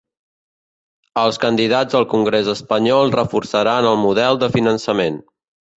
Els candidats al congrés espanyol reforçaran el model de finançament